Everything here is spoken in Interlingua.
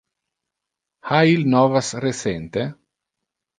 Ha il novas recente?